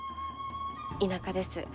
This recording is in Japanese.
田舎です。